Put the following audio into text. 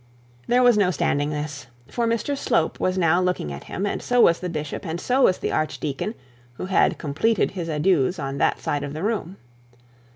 There was no standing for this, for Mr Slope was now looking at him, and so was the bishop, and so was the archdeacon, who had completed his adieux on that side of the room.